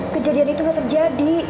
kejadian itu gak terjadi